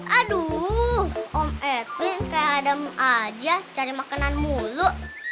aduh om edwin kayak ada aja cari makanan mulu